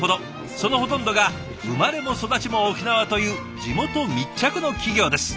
そのほとんどが生まれも育ちも沖縄という地元密着の企業です。